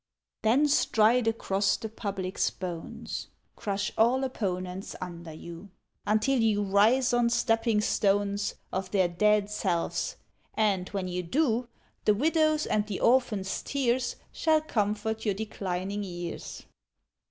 Then stride across the Public's bones, Crush all opponents under you, Until you "rise on stepping stones Of their dead selves"; and, when you do, The widow's and the orphan's tears Shall comfort your declining years!